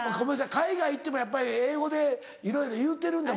海外行ってもやっぱり英語でいろいろ言うてるんだ？